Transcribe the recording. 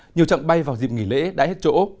nhiều trạng bay vào dịp nghỉ lễ đã hết chỗ